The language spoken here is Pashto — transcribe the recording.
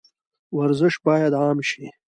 ورزش باید عام شي